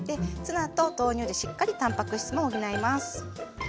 ツナと豆乳でしっかりたんぱく質も補います。